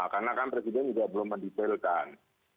karena kan presiden juga belum mendetailkan